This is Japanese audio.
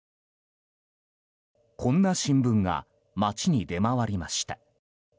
こんな新聞が街に出回りました。